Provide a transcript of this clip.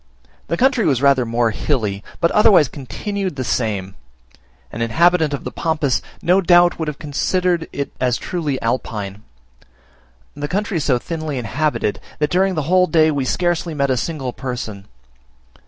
The country was rather more hilly, but otherwise continued the same; an inhabitant of the Pampas no doubt would have considered it as truly Alpine. The country is so thinly inhabited, that during the whole day we scarcely met a single person.